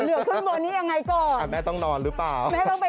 ตอนนี้อย่างไรก่อนแม่ต้องไปนอนตอนนี้แหละอ่าแม่ต้องนอนหรือเปล่า